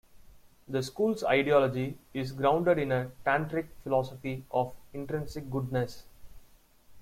The school's ideology is "grounded in a Tantric philosophy of intrinsic goodness".